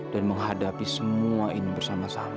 dan menghadapi semua ini bersama sama